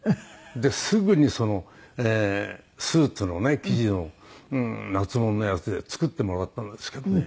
ですぐにそのスーツの生地の夏物のやつで作ってもらったんですけどね。